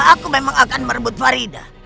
aku memang akan merebut farida